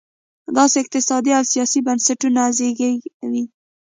داسې اقتصادي او سیاسي بنسټونه زېږوي.